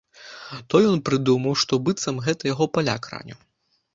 То ён прыдумаў, што быццам гэта яго паляк раніў.